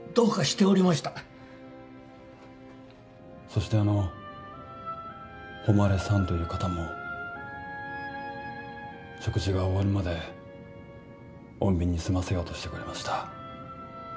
そしてあの誉さんという方も食事が終わるまで穏便に済ませようとしてくれました。